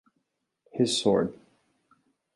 His sword.